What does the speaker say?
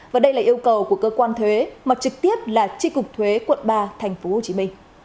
và đây là yêu cầu của cơ quan thuế mà trực tiếp là tri cục thuế quận ba tp hcm